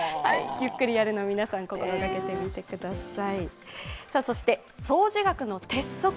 ゆっくりやるのを皆さん、心がけてみてください。